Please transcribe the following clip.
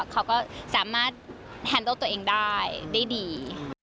เขาก็สามารถแฮนเดิลตัวเองได้ได้ดี